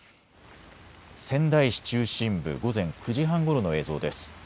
仙台市中心部、午前９時半ごろの映像です。